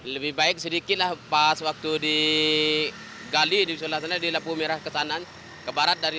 lebih baik sedikit lah pas waktu di gali di lapu merah ke sana ke barat dari